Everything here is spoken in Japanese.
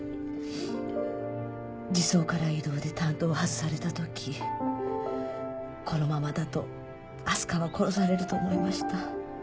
児相から異動で担当を外されたときこのままだと明日香は殺されると思いました。